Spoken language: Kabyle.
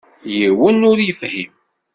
Yiwen ur yefhim.